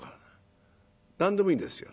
何でもいいんですよ。